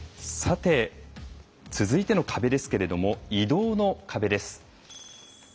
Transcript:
続いての壁ですけども移動の壁です。